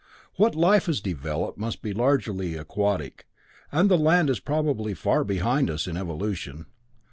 What life has developed must be largely aquatic, and the land is probably far behind us in evolution.